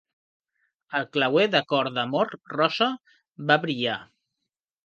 El clauer de cor d'amor rosa va brillar.